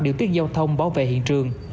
điều tiết giao thông bảo vệ hiện trường